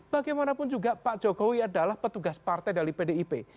bagaimanapun juga pak jokowi adalah petugas partai dari pdip